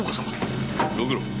ご苦労。